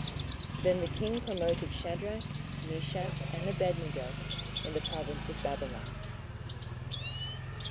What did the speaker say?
27:003:030 Then the king promoted Shadrach, Meshach, and Abednego, in the province of Babylon.